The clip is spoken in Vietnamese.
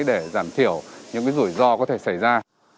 để giảm thiểu những rủi ro có thể xảy ra